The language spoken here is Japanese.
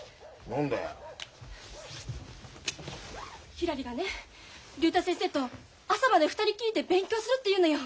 ひらりがね竜太先生と朝まで２人っきりで勉強するっていうのよ。